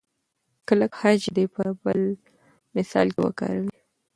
کلک خج دې په بل مثال کې وکاروئ.